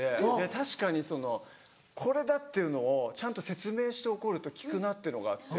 確かにそのこれだっていうのをちゃんと説明して怒ると聞くなっていうのがあって。